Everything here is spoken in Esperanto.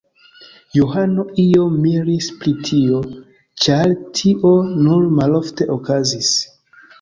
Johano iom miris pri tio, ĉar tio nur malofte okazis.